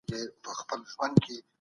خزانې دي زلیخا